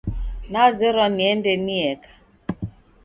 Nazerwa niende nieka